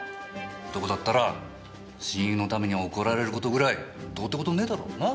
男だったら親友のために怒られる事ぐらいどうって事ねえだろうな？